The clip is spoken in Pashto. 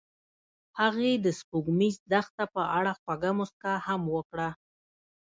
هغې د سپوږمیز دښته په اړه خوږه موسکا هم وکړه.